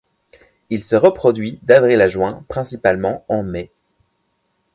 Il se reproduit d'avril à juin, principalement en mai.